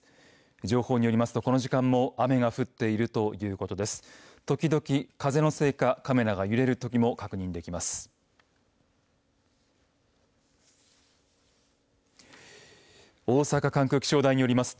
情報によりますとこの時間も雨が降っているということです。